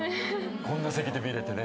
こんな席で見られてね。